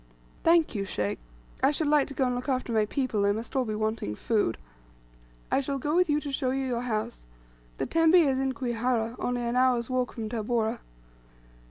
"Thank you, sheikh. I should like to go and look after my people; they must all be wanting food." "I shall go with you to show you your house. The tembe is in Kwihara, only an hour's walk from Tabora."